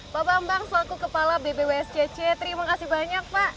bapak mbak selaku kepala bbwscc terima kasih banyak pak